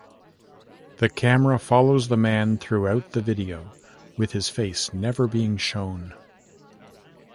The camera follows the man throughout the video, with his face never being shown.